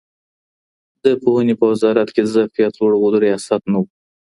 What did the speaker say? د پوهنې په وزارت کي د ظرفیت لوړولو ریاست نه و.